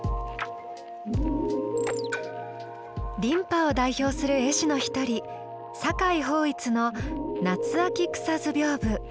「琳派」を代表する絵師の一人酒井抱一の「夏秋草図屏風」。